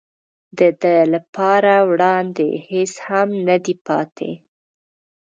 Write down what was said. د ده لپاره وړاندې هېڅ هم نه دي پاتې.